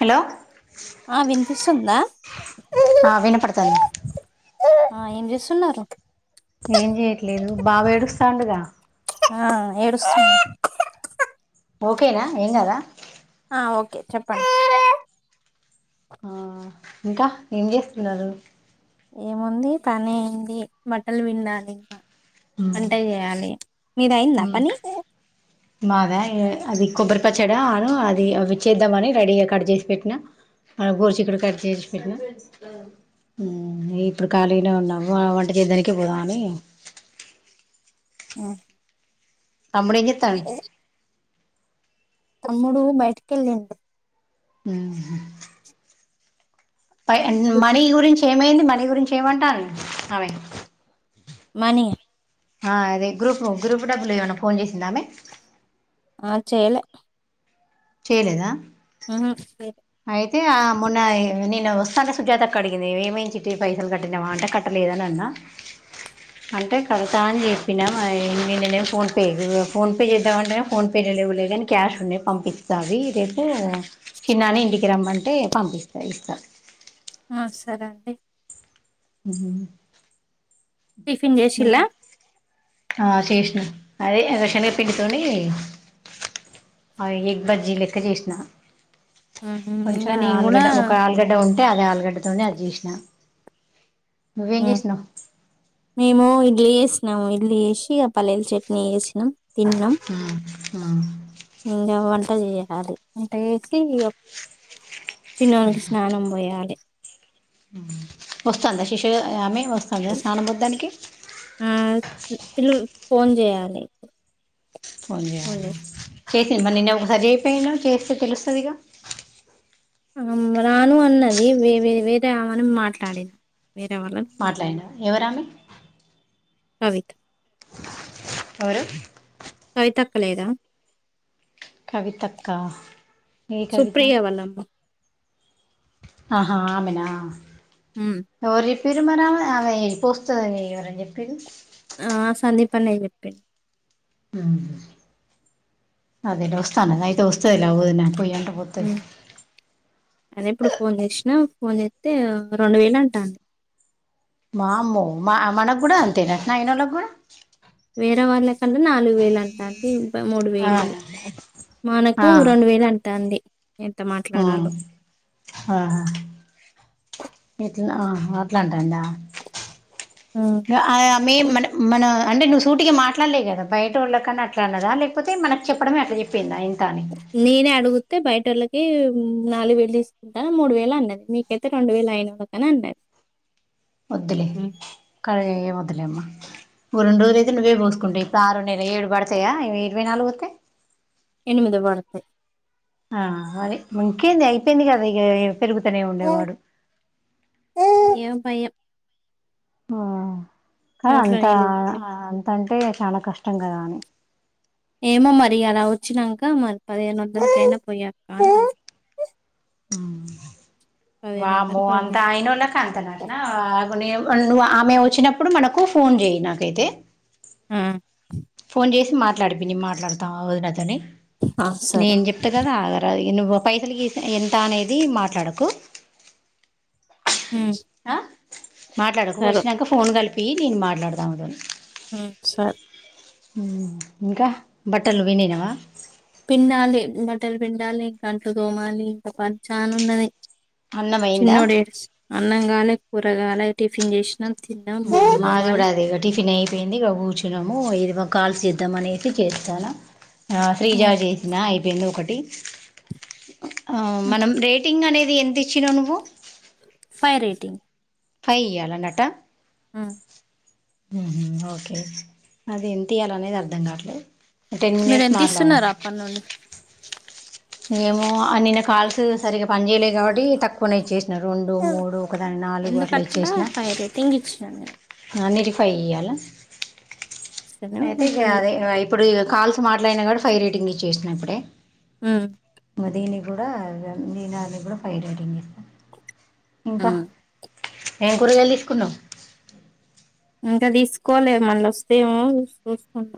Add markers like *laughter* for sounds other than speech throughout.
Hello ఆ వినిపిస్తుంద ఆ వినపడుతుంది ఆ ఏం చేస్తున్నారు ఏం చెయట్లేదు బాబు ఏడుస్తాండు గా ఆ ఏడుస్తా ఓకేనా ఏం కదా ఆ ఓకే చెప్పండి ఆ ఇంకా ఏం చేస్తున్నారు ఏముంది పనియింది బట్టలు పిండాలి ఇంకా వంట చేయాలి మీది అయిందా ఆ పని మాదా అది కొబ్బరి పచ్చడా అను అది అవి చేద్దామని రెడీగా కట్ చేసి పెట్టినా గోరుచిక్కుడు కట్ చేసి పెట్టినా హు ఇప్పుడు ఖాళీనే ఉన్నా వంట చేయడానికి పోదాం అని ఉ తమ్ముడు ఏమ్ చెత్తాండు తమ్ముడు బయటికి వెళ్ళిండు ఊహు పై మనీ గురించి ఏమైంది మనీ గురించి ఏమంటంది ఆమె మని య ఆ అదే గ్రూప్ గ్రూప్ డబ్బులు ఏమాన్నా ఫోన్ చేసిందా ఆమె ఆ చేయలే చేయలేదా ఉహు అయితే ఆ మొన్న నేను వస్తా అంటే సుజాత అడిగింది ఏమేమి చిట్ పైసలు కట్టినావ అంటే కట్టలేదని అన్నా అంటే కడతా అని చెప్పినా న ఫోన్పే ఫోన్పే చేద్దామంటే ఫోన్పే లో లేదని క్యాష్ ఉన్నాది పంపిస్తా అ రేపు చిన్నని ఇంటికి రమ్మ అంటే పంపిస్త ఇస్తా ఆ సరే అండి హ్మ్ టిఫిన్ చేసిలా ఆ చేసిన అదే శెనగపిండి తోని ఎగ్ బజ్జీ లెక్క చేసినా ఉహు ఇంగ కొంచెం నేను కూడా ఆలుగడ్డ ఒక ఆలుగడ్డ ఉం అంటే అదే ఆలుగడ్డ తోనే అది చేసినా హ్మ్ మేము ఇ ల్లి వేసినాము ఇడ్లీ యేసి ఆ పల్లీల చట్నీ యేసి తిన్నాం ఇంకా వం వంట చేయ్యాలి వంట చేసి అప్ చిన్నోడికి స్నానం పోయాలి హ్మ్ వస్తాందా శిశు ఆమె వస్తాందా స్నానంబొద్ధానికి లి ఫోన్ చేయాల చేసింది మరి నిన్న ఒకసారి చేయపోయనావ చేస్తే తెలుస్తదిగా రాను అన్నది వే వే వేరే ఆమెని మాట్లాడినా మాట్లాడిన ఎవరామే అవిత్ ఎవరు కవితక్కలేదా కవితక్కా ఏ కవిత సుప్రియ వాళ్ళమ్మ ఆహా ఆమెనా ఎవరు చెప్ పిరుమరామ అలా ఏపోస్తు ఎవరన్నా చెప్పిరు ఆ సందీప్ అన్నకి చెప్పె హ్మ్ అదేలే వస్తాను అయితే వస్తాయిలే వదిన పోయనకి హ్మ్ అదే ఇప్పుడు ఫోన్ చేసినా ఫోన్ చేత్తే రెండు వేలు అంట మా అమ్మో మా మనకు కూడా అంతేనటనా ఆయినోళ్ళకి కూడా వేరే వాళ్ళకంటే నాలుగు వేలు అంటాంది. *unintelligible* మూడు వేలు ఆ మనకు రెండు వేలు అంటాంది. ఎంత ఆ మాట్లాడాలో ఆహా ఇట్లా అట్లానే దండ అయ మేం మన మన అంటే నువ్వు సూటికి మాట్లాడలే కదా బయటోళ్ళకని అట్లా అన్నదా లేకపోతే మనకి చెప్పడమే అట్లా చెప్పిందా ఏం నేనే అడుగుతే బయటోలక్ నాలుగు వేలు తీసుకుంటా మూడు వేలు అన్నది మీకైతే రెండు వేలు అయిన వాళ్ళకని అన్నది వద్దులే ఉమ్. అరే వదులేమ్మ ఒక రెండు రజులు అయితే నువ్వే పోూసుకుంటాయి ఇప్పుడు ఆరు ఏడు పడతాయా ఇ ఇరవై నాలుగు వస్తాయి ఎనిమిది పడతాయి ఆ అది ఇంకేంది అయిపోయింది కదా ఇగా తెరుగుతూనే ఉండేవాడు ఏం భయం ఆ నోట్లో అంత నీళ్ళు ఊరుతాయేమో అంత అంటే చాలా కష్టం కదా అని ఏమో మరి అలా వచ్చినంక మరి పదిహేను వందలకైనా పోయాక ఆ పదిహేను వందలు వామో అంత పదమూడు అయనోళ్ళ కంతన నా నువ్ ఆమె వచ్చినప్పుడు మనకు ఫోన్ చెయయి నాకైతే ఆ ఫోన్ చేసి మాట్లాడిపి మాట్లాడతా ఆ వదినతొని ఆ, సరే నేను చెప్తే కదా ఆగరాది నువ్వు పైసలకి ఎంత అనేది మాట్లాడకు ఉమ్ ఆ మాట్లాడకు సరే వచ్చినాక ఫోన్ కలిపి పి నేను మాట్లాడదా అదని ఉమ్ సరే ఇంకా బట్టలు పిండినవ పిండాలి బట్టలు పిండాలి ఇంకా అంట్లు తోమాలి ఇంకా పని చాన ఉన్నది అన్నం అయిందా చిన్నోడడు అన్నంగాల కూ అలా టిఫిన్ చేసి మాది కూడా అది ఇ టిఫిన్ అయిపోయింది ఇ కూర్చున్నాము ఏది కాల్స్ చేద్దామ అనేది చేస్తాను ఆ ఉమ్, రీఛార్జ్ చేసినా రన్న ఒకటి ఆ ఉమ్, మనం రేటింగ్ అనేది ది ఎంత ఇ చి ననుభు ఫై రేటింగ్ ఫై ఇయ్యాలన్నట ఆ హ ఓకే అది ఎంతయాల అనేది అర్ధం కావట్లేదు టెన్ మీరు మినిట్స్ ఎంత మాట్లాడా ఇస్తున్నారు అప్పటి నుండి ఏమో నిన్న కాల్స్ సరిగ్గా పని చేయలేదు కాబట్టి తక్కువనచ్చ చేసిన రెండు మూడు ఒకదాన్ని నాలుగు ఎందుకు అట్ల అట్లా ఇచేసిన ఫైవ్ రేటింగ్ ఇచ్చిన నేను ఆ నర ఫై ఇయాలా ఇస్తూనే ఉన్నా అయితే ఫైవ్ ఇప్పుడు కాల్తో మాట్లాడిన కా ఫైవర్ రేటింగ్ ఇచ్చేసినప్పుడే ఉమ్ మదనే కూడా నేను అది కూడా ఫై రేటింగ్ ఇస్తాను ఇంకా ఉమ్ ఏం కూరగాయలు ఇసుకున్నా ఇంకా తీసుకోవాలి మళ్ళ వస్తేమో చూసుకున్నాం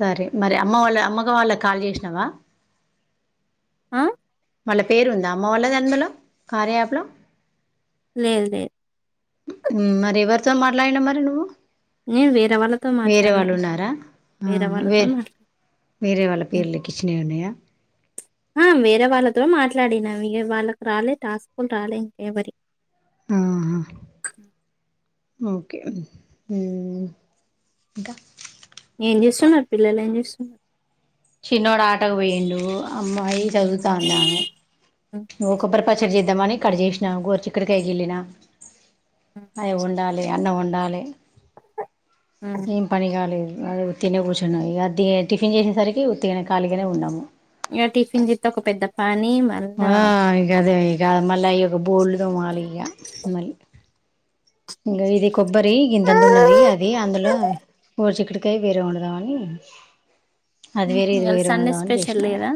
సరే మరి అమ్మ వాళ్ళ అమ్మగా వాళ్ళ కాల్ చేసినావా ఆ వాళ్ళ పేరు ఉందా అమ్మ వాళ్ళ అందులో కార్యా యాప్ లో లేదు లేదు మరి ఎవరితో మాట్లాడినా మరి నువ్వు నేను వేరే వాళ్ళతో వేరే మాట్లాడినా వాళ్ళు ఉన్నారా వాళ్ళతో వేరే మాట్లాడుతున్నా వేరే వాళ్ళ పేర్లకిచ్చినవి ఉన్నాయా ఆ వేరే వాళ్ళతో మాట్లాడినవి వాళ్ళకు రాలే టాస్కులు రాలే ఇంకెవరి ఆా ఓకేంటా ఏం జేస్తున్నారు పిల్లలు ఏం జేస్తున్నారు మ్ చిన్నోడు ఆటకు పోయిండు అమ్మాయి చదువుతా ఉంది ఆమె ఇగో కొబ్బరి పచ్చడి జెద ద్దామని కట్ చేసినా గోరచిక్కుడికాయ గిళ్ళిన అయి వం వండాలి అన్నం వండాలి ఏం పని గాలేదు అదే ఉత్తినే కూర్చున్నా ఇగ టిఫిన్ చేసేసరికి ఉత్తిగనే ఖాళీగానే ఉన్నాము ఇగ టిఫిన్ జిత్తె ఒక పెద్ద పని ఆ మళ్ళా ఇగ అదే జ మళ్ళ బోళ్ళు తోమాలి ఇగ మళ్ళీ ఇంగ ఇది కొబ్బరి ఇంతంత ఉన్నది అది అందులో గోరుచిక్కుడుకాయ వేరే వండదామని అది వేరే ఇది ఇవాళ వేరే సండే వండదామని చేసిన స్పెషల్ ఇగ లేదా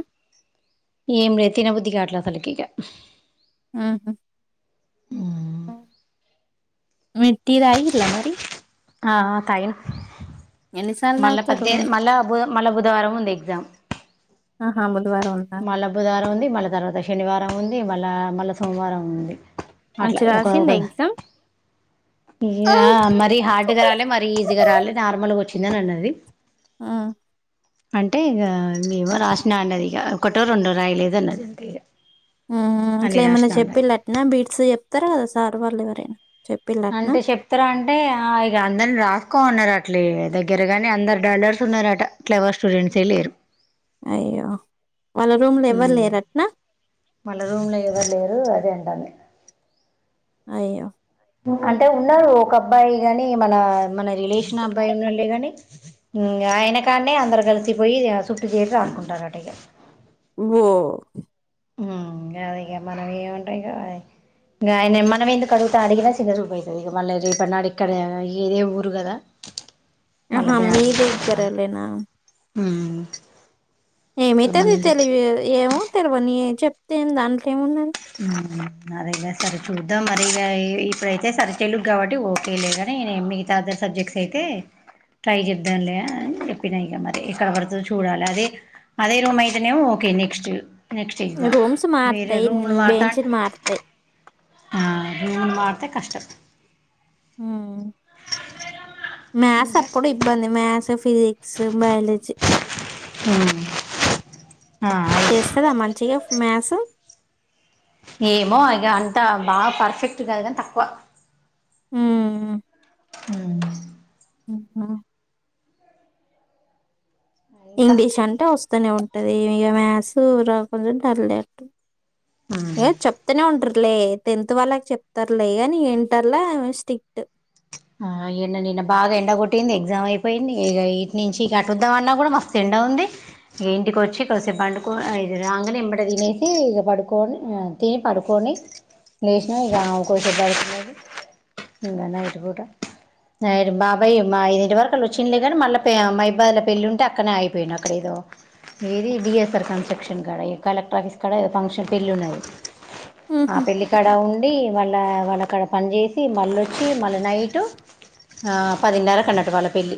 ఏం లే ఇగట్లా తలకిక ఆ మీరు టీ తాగిల్లా మరి ఆ తాగిన ఎన్నిసార్లు మళ్ళ తాగుతారు పద్దె మళ్ళ బు మళ్ళా బుధవారం ఉంది ఎగ్జామ్ ఆహా బుధ మళ్ళ బుధవారం ఉంది మళ్ళా తర్వాత శనివారం ఉంది మళ్ళా మళ్ళా సోమవారం ఉంది అట్లా మంచి ఒక ఒక రాసిందా ఎగ్జామ్ మరీ హార్డ్ గా రాలే మరీ ఈజీగా రాలే నార్మల్ గా వచ్చి తిన్నదండి అది ఆ అంటే ఇగ ఏమో రాసినా అన్నది ఇగ ఒకటో రెండో రాయలేదు అన్నదంతే ఊ ఇట్లా ఏమన్నా చెప్పి రటన బీట్స్ చెప్తరు గదా సార్ వాళ్ళు ఎవరైనా చెప్పిళ్ళట్నా అంటే చెప్తార అంటే ఆ ఇగ అందరిని రాసుకో అన్నరట అట్లే దగ్గర గాని అందరు డల్లర్స్ ఉన్నరట క్లవర్స్ స్టూడెంట్సే లేరు అయ్యో వాళ్ళ రూమ్ లో ఎవ్వరు మ్మ్ లేరట్నా వాళ్ళ రూమ్ లో ఎవరు లేరు అదే అయ్యో అంటే ఉన్నారు ఒక అబ్బాయి గాని మన మన రిలేషన్ అబ్బాయి ఉన్నడులే గాని హూమ్ ఆయన కానే అందరు కలిసిపోయి చుట్టు చేరి రాసుకున్నరటా ఇగ ఓ ఊ అదే ఇగ మనం ఏమంటాం ఇగ ఆయనే మనమే ఎందుకు అడుగుత అడిగినా చిన్నచూపు అయితది ఇగ మళ్ళ రేపడినాడు ఇక్కడ ఇదే ఊరు గదా ఆహా మీ దగ్గరోల్లేనా ఉ ఏమైతది తెలివి ఏమో తెలివని చెప్ తే దాంట్లో ఏమున్నది హు అదే కదా సరే చూద్దాం మరి ఇ ఇప్పుడైతే సరే తెలుగు కాబట్టి ఓకేలేగాని నే మిగతా అదర్ సబ్జెక్ట్స్ అయితే ట్రై చేద్దాంలే అని చెప్పినా ఇక మరి ఎక్కడ పడుతుందో చూడాలి అదే అదే రూమ్ అయితే నేమో okay next next exam rooms వేరే మారుతాయి బెంచీలు మారుతాయి ఆ రూమ్ మారితే కష్టం ఉ మ్యాథ్స్ ఇంకా అప్పుడు ఇబ్బంది మ్యాథ్స్ ఫిజిక్స్ బయాలజీ హు చేస్తదా మంచిగా మ్యాథ్స్ ఏమో ఇగ అంత బాగా పర్ఫెక్ట్ కాదు కాని తక్కువ ఉ ఉ ఉహు ఇంకా ఇంగ్లీష్ అంటే వస్తుంది వస్తానే ఉంటది ఇక మ్యాథ్స్ రాకున్న పర్లేట్ ఏ చెప్తూనే ఉంటారు లే టెన్త్ వాళ్ళకి చెప్తారులే గాని ఇంటర్లో స్ట్రిక్ట్ ఆ నిన్న బాగా ఎండ కొట్టింది ఎగ్జామ్ అయిపోయింది ఇక ఇటి నుంచీ నుంచి అటు వద్దాం అన్నా కూడా మస్తు ఎండ ఉంది ఇక ఇంటికి వచ్చి కొద్దిసేపు పండుకో ఇది రాగానే ఏంమట తినేసి ఇక పడుకొని తిని పడుకొని లేసినా ఇక కొద్దిసేపు పడుకునేది ఇంక నైట్ ఎవరు రా బాబాయ్ మా ఇంటి వరకు వచ్చిండు లే గాని మళ్ళా మైబాదుల పెళ్లి ఉంటే అక్కడ నే ఆగిపోయిండు అక్కడ ఏదో ఏది డిఎస్ఆర్ కన్స్ట్రక్షన్ కాడ కలెక్టర్ ఆఫీస్ కాడో ఫంక్షన్ పెళ్ళి ఉన్నది ఆ ఉమ్, పెళ్లి కడ ఉ వాళ్ళ వాళ్ళ అక్కడ పని చేసి మళ్లీ వచ్చి మళ్ళ నైటు పదిన్నర కన్నాటు వాళ్ళ పెళ్ళి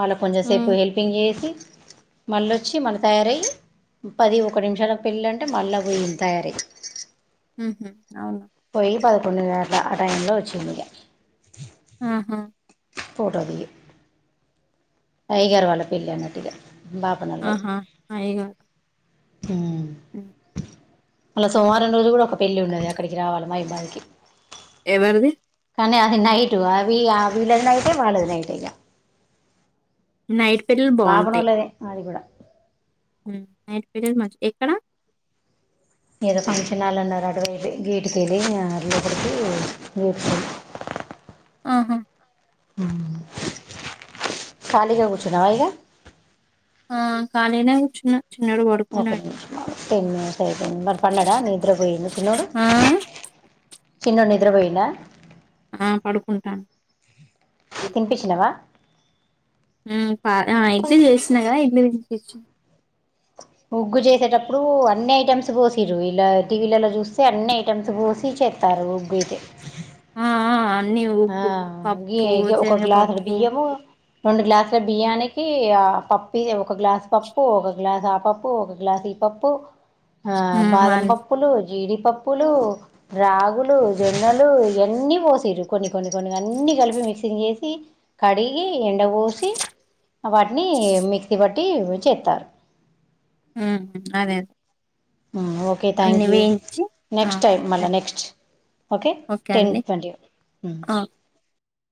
వాళ్ళ కొంచెం సేపు హెల్పింగ్ చేసి మళ్ళొచ్చి మళ్ళీ తయారయ్యి పది ఒక నిమిషాలకు పెళ్ళంటే మళ్ళా పోయింది తయారయ్యి ఉహు అవును పోయి పద టైంలో వచ్చింది ఇకా ఆహా ఫోటో తీ అయ్యగారు వాళ్ళ పెళ్లి అన్నట్టుగా ఆహా ఇగా యు మళ్ళ సోమవారం రోజు కూడా ఒక పెళ్లి ఉండది అక్కడికి రావాలి మైబాదికి ఎవరిది కానీ అది నైట్ అవి ఆ వీళ్ళది నైట్ వాళ్ళది నైట్ హే ఇగ నైట్. పిల్లలు బాగుంటాయి బాపనోల్లది మాది కూడా నైట్ పిరస్ మ ఎక్కడ ఏదో ఫంక్షన్ళన్నారు అటు గేటుకి వెళ్ళి లోపలికి గేటుకి వెళ్ళ ఆహా కాలగా కూచ్చునావ ఇకా ఆ కాలీగానేకూచున్నా చిన్నోడు ఒక పడుకున్నాయి నిమిషం ఆగు టెన్ మినిట్స్ స మరి పన్నడా మరి నిద్రపోయి చిన్నోడు ఆ చిన్నోడు నిద్రపోయిండ ఆ పడుకుంటాను తినిపించినవా ఇడ్లీ చేసిన కదా ఇడ్లీ తినిపి ఉగ్గు చేసేటప్పుడు అన్ని ఐటమ్స్ పోసిర ఇలా టీవీలలో చూస్తే అన్ని ఐటమ్స్ పోసి చేస్తారు ఉగ్గు అయితే ఆ ఆ అన్ని ఆ ఉగ్గు పప్పు గ ఒక గ్లాసుడు శనగపప్పు బియ్యము రెండు గ్లాసుల బియ్యానికి ఆ పప్పు ఒక గ్లాసు పప్పు ఒక గ్లాస్ ఆ పప్పు ఒక గ్లాస్ ఈ పప్పు ఆ హ్మ్ బాదం అన్ పప్పులు జీడి పప్పులు రాగులు జొన్నలు ఇవన్నీ పోసిర్రు కొన్ని కొన్ని కొన్ని అన్నీ కలిపి మిక్సింగ్ చేసి కడిగి ఎండ పోసి వాటిని మిక్సీ పట్టి పట్టి చెతారు ఉ అదే అదే ఓకే థ్యాంక్ యూ ఆ నెక్స్ట్ టైమ్ మళ నెక్స్ట్ ఓకే టెన్ ట్వంటీ ఆ